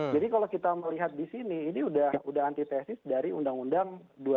jadi kalau kita melihat di sini ini udah antithesis dari undang undang dua ribu tiga